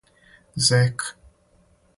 зека